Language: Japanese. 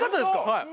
はい。